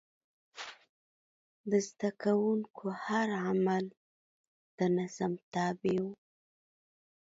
د زده کوونکو هر عمل د نظم تابع و.